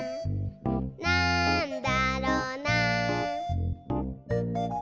「なんだろな？」